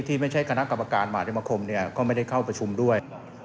ที่ไม่ใช่คณะกรรมการมหาธรรมคมเนี่ยก็ไม่ได้เข้าประชุมด้วย